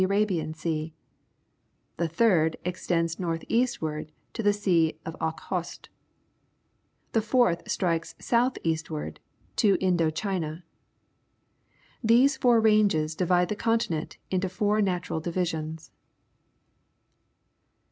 lra6i"an Sea; the third extends north eastward to the Sea of Okhotsk; the fourth strikes south eastward to Indo Chit^a. These four ranges di\ide the continent into four natural divisions.